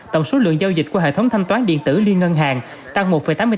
tổng số lượng giao dịch qua hệ thống thanh toán điện tử liên ngân hàng tăng một tám mươi tám